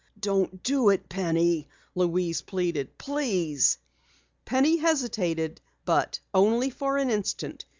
"Don't do it, Penny!" Louise pleaded. "Please!" Penny hesitated, but only for an instant.